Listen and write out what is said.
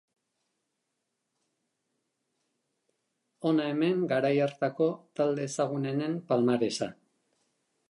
Hona hemen garai hartako talde ezagunenen palmaresa.